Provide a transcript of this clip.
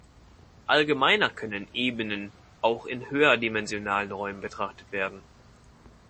Allgemeiner können Ebenen auch in höherdimensionalen Räumen betrachtet werden.